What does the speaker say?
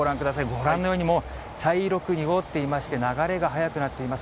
ご覧のように、もう茶色く濁っていまして、流れが速くなっています。